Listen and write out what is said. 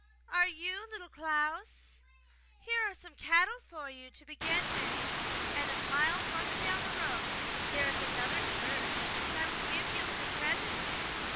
''Are you Little Klaus? Here are some cattle for you to begin with, and a mile farther down the road there is another herd, which I will give you as a present!